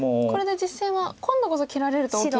これで実戦は今度こそ切られると。